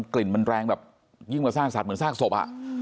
กลิ่นแรงแบบยิ่งมาสร้างสัตว์เหมือนสร้างศพ